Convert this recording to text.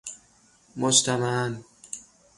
مجتمعاً